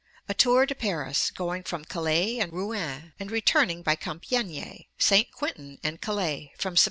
A tour to Paris (going by Calais and Rouen and returning by Compiegne, St. Quintin, and Calais), from Sept.